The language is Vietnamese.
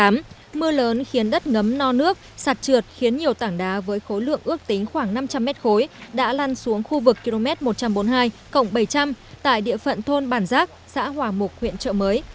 mưa lớn khiến đất ngấm no nước sạt trượt khiến nhiều tảng đá với khối lượng ước tính khoảng năm trăm linh mét khối đã lăn xuống khu vực km một trăm bốn mươi hai bảy trăm linh tại địa phận thôn bản giác xã hòa mục huyện trợ mới